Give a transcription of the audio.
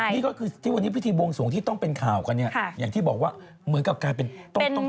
นี่ก็คือที่วันนี้พิธีบวงสวงที่ต้องเป็นข่าวกันเนี่ยอย่างที่บอกว่าเหมือนกับกลายเป็นต้องต้อง